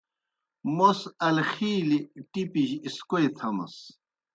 موْس الخِیلیْ ٹِپِجیْ اِسکوئی تھمَس۔